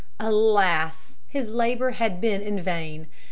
Alas, his labor had been in vain!